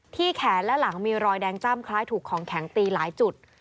แขนและหลังมีรอยแดงจ้ำคล้ายถูกของแข็งตีหลายจุด